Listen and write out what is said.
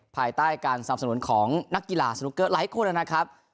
ภายใต้การสนับสนุนของนักกีฬาสนุกเกอร์หลายคนนะครับ